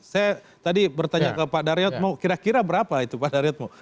saya tadi bertanya ke pak daryat mau kira kira berapa itu pak daryat mau